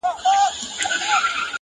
خو د هر چا ذهن کي درد پاته وي,